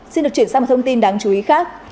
xin được chuyển sang một thông tin đáng chú ý khác